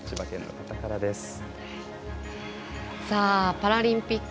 パラリンピック